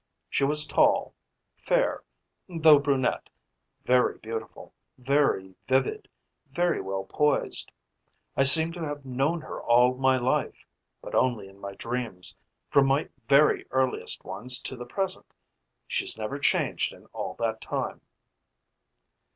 She was tall, fair though brunette very beautiful, very vivid, very well poised. I seem to have known her all my life, but only in my dreams, from my very earliest ones to the present. She's never changed in all that time."